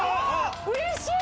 うれしい！